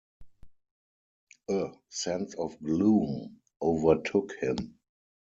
A sense of gloom overtook him.